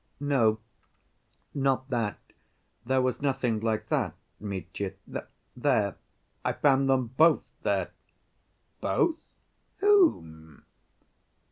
"No, not that.... There was nothing like that, Mitya. There—I found them both there." "Both? Whom?"